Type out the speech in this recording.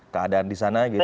keadaan di sana gitu